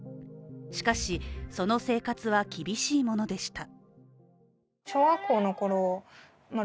しかし、その生活は厳しいものでした。